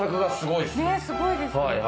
ねぇすごいですね。